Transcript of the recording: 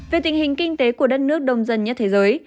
về tình hình kinh tế của đất nước đông dân nhất thế giới